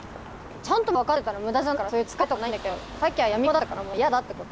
ちゃんと目的地がわかってたら無駄じゃないからそういう疲れとかはないんだけどさっきは闇雲だったからもう嫌だってこと。